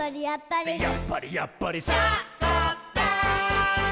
やっぱり！」